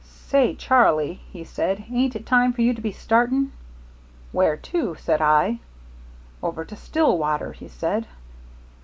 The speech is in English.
'Say, Charlie,' he said, 'ain't it time for you to be starting?' 'Where to?' said I. 'Over to Stillwater,' he said.